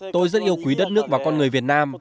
tôi rất yêu quý đất nước và con người việt nam